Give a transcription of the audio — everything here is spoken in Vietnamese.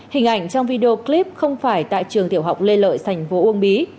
hình ảnh trong video clip không phải tại trường tiểu học lê lợi thành phố uông bí